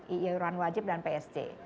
ieyuran wajib dan psj